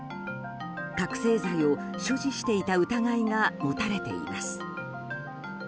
覚醒剤を所持していた疑いが持たれています。